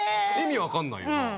意味わかんないよな。